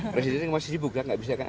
presiden ini masih dibuka gak bisa kan